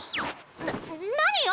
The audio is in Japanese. な何よ！